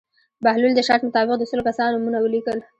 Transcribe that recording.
بهلول د شرط مطابق د سلو کسانو نومونه ولیکل.